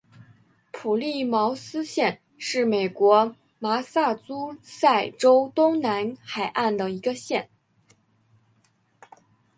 普利茅斯县是美国麻萨诸塞州东南海岸的一个县。